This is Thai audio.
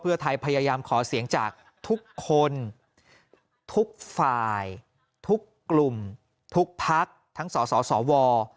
เพื่อไทยพยายามขอเสียงจากทุกคนทุกฝ่ายทุกกลุ่มทุกพักทั้งสสว